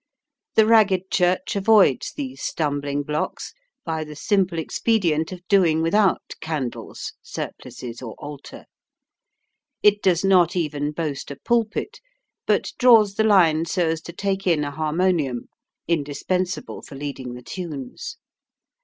The Ragged Church avoids these stumbling blocks by the simple expedient of doing without candles, surplices, or altar. It does not even boast a pulpit, but draws the line so as to take in a harmonium, indispensable for leading the tunes.